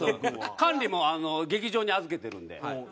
管理も劇場に預けてるんではい。